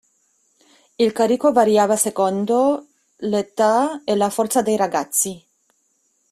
Il carico variava secondo l'età e la forza dei ragazzi.